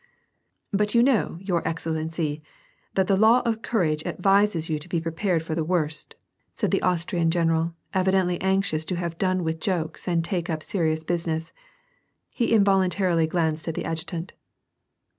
" But you know, your excellency, that the law of courage advises to be prepared for the worst," said the Austrian general, evidently anxious to have done with jokes and take up serious business. He involuntarily glanced at the adjutant.